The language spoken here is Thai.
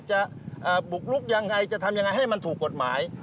จะบุกลุกยังไงจะทำยังไงให้มันถูกกฎหมาย